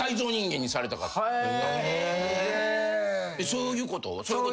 そういうこと？